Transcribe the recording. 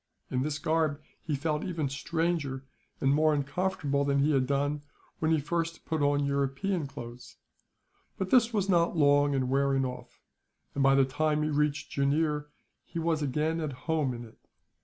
In this garb he felt even stranger and more uncomfortable than he had done, when he first put on European clothes; but this was not long in wearing off and, by the time he reached Jooneer, he was again at home in it.